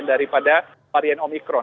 daripada varian omikron